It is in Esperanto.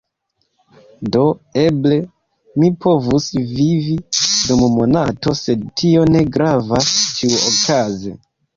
Do, eble mi povus vivi dum monato sed tio ne gravas ĉiuokaze